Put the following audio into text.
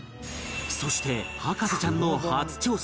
そして博士ちゃんの初挑戦